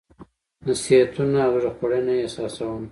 نصيحتونه او زړه خوړنه یې احساسوم.